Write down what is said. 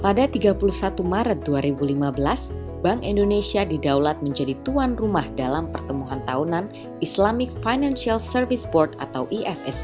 pada tiga puluh satu maret dua ribu lima belas bank indonesia didaulat menjadi tuan rumah dalam pertemuan tahunan islamic financial service board atau ifsc